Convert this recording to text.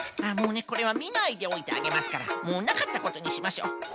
もうねこれはみないでおいてあげますからもうなかったことにしましょう。